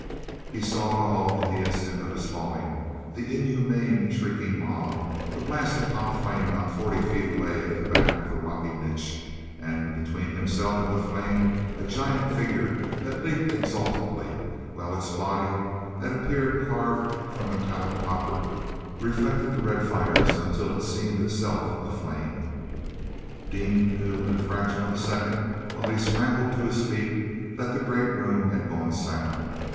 He saw it all in the instant of his falling—the inhuman, shrieking mob, the blast of hot flame not forty feet away at the back of the rocky niche, and, between himself and the flame, a giant figure that leaped exultantly, while its body, that appeared carved from metallic copper, reflected the red fires until it seemed itself aflame. ean knew in the fraction of a second while he scrambled to his feet, that the great room had gone silent.